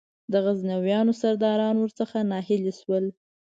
د غزنویانو سرداران ور څخه ناهیلي شول.